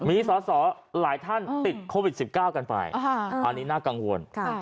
มีสอสอหลายท่านติดโควิด๑๙กันไปอันนี้น่ากังวล